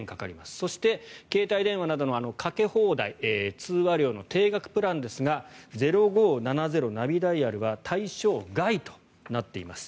そして、携帯電話などのかけ放題通話料の定額プランですが０５７０、ナビダイヤルは対象外となっています。